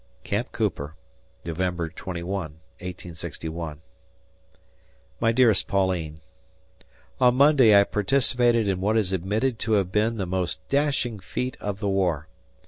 Camp Cooper, November 21, 1861. My dearest Pauline: On Monday I participated in what is admitted to have been the most dashing feat of the war.